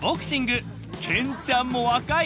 ［けんちゃんも若い。